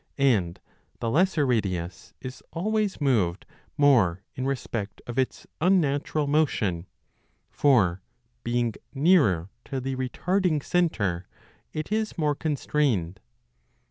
And the lesser radius is always moved more in respect of its unnatural motion ; for being nearer to the retarding centre it is more constrained.